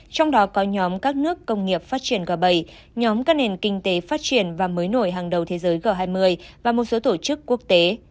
trong đó có nhóm các nước công nghiệp phát triển g bảy nhóm các nền kinh tế phát triển và mới nổi hàng đầu thế giới g hai mươi và một số tổ chức quốc tế